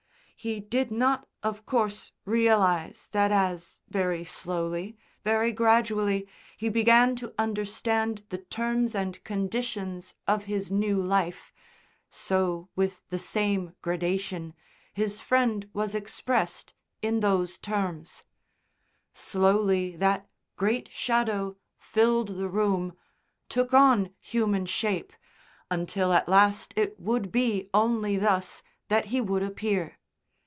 He did not, of course, realise that as, very slowly, very gradually he began to understand the terms and conditions of his new life, so with the same gradation, his Friend was expressed in those terms. Slowly that great shadow filled the room, took on human shape, until at last it would be only thus that he would appear.